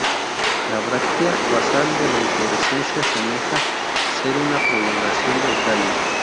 La bráctea basal de la inflorescencia semeja ser una prolongación del tallo.